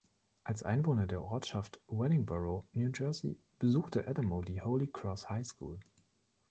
Als Einwohner der Ortschaft Willingboro, New Jersey, besuchte Adamo die Holy Cross High-School.